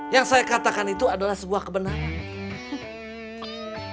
yang saya katakan itu adalah sebuah kebenaran